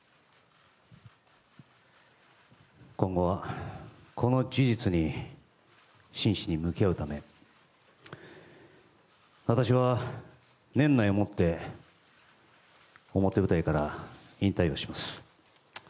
今後はこの事実に真摯に向き合うため私は年内をもって表舞台から引退をします。